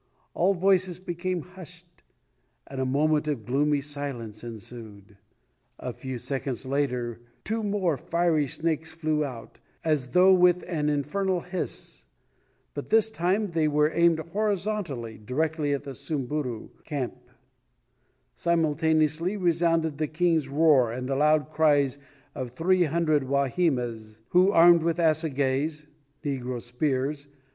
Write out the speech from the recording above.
All voices became hushed and a moment of gloomy silence ensued. A few seconds later two more fiery snakes flew out, as though with an infernal hiss, but this time they were aimed horizontally directly at the Samburu camp; simultaneously resounded the King's roar and the loud cries of the three hundred Wahimas who, armed with assagais,* [* Negro spears.